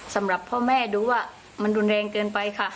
สำหรับพ่อแม่ดูว่ามันรุนแรงเกินไปค่ะ